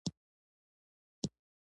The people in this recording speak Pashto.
د تیزابو او القلیو ښودونکي مهم دي.